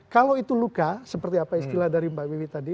kalau itu luka seperti apa istilah dari mbak wiwi tadi